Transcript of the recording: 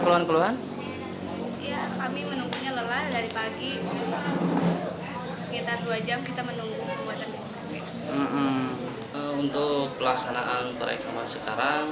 untuk pelaksanaan perekaman sekarang